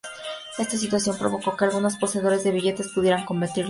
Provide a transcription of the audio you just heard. Esta situación provocó que algunos poseedores de billetes pidieran convertirlos en oro.